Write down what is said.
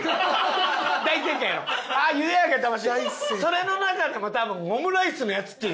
それの中でも多分オムライスのやつ。